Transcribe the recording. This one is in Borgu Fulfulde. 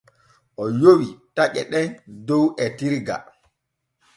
O yowi taƴe ɗen dow etirga.